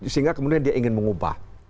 sehingga kemudian dia ingin mengubah